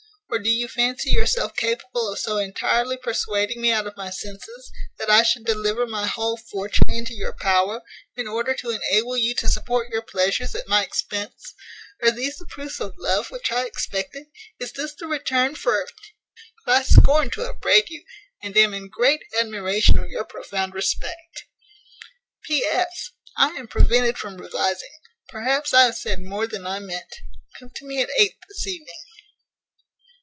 or do you fancy yourself capable of so entirely persuading me out of my senses, that I should deliver my whole fortune into your power, in order to enable you to support your pleasures at my expense? Are these the proofs of love which I expected? Is this the return for ? but I scorn to upbraid you, and am in great admiration of your profound respect. "P.S. I am prevented from revising: Perhaps I have said more than I meant. Come to me at eight this evening."